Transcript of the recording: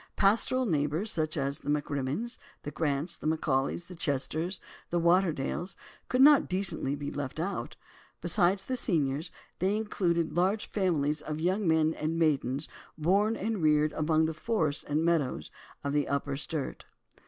Pastoral neighbours, such as the MacRimmons, the Grants, the MacAulays, the Chesters, the Waterdales, could not decently be left out. Besides the seniors, they included large families of young men and maidens born and reared among the forests and meadows of the Upper Sturt.